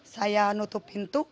saya nutup pintu